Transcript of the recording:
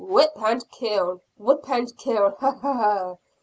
Whip and kill! Whip and kill! Ha! ha!